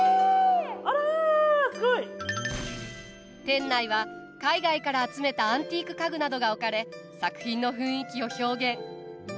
店内は海外から集めたアンティーク家具などが置かれ作品の雰囲気を表現。